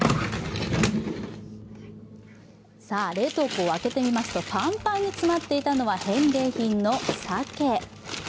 冷凍庫を開けてみますと、パンパンに詰まっていたのは返礼品のさけ。